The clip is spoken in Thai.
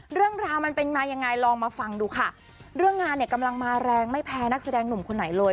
เรื่องราวมันเป็นมายังไงลองมาฟังดูค่ะเรื่องงานเนี่ยกำลังมาแรงไม่แพ้นักแสดงหนุ่มคนไหนเลย